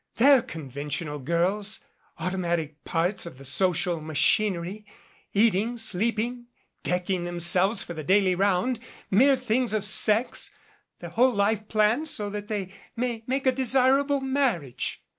They're conventional girls automatic parts of the social machinery, eating, sleeping, decking themselves for the daily round, mere things of sex, their whole life planned so that they may make a desirable marriage.